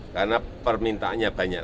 karena permintaannya banyak